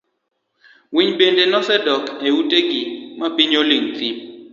Winy bende nosedok e ute gi mapiny oling' thiii.